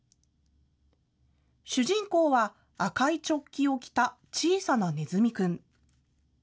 主人公は赤いチョッキを着た小さなねずみくん。